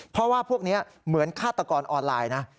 เพราะว่าพวกนี้เหมือนฆาตกรออนไลน์นะ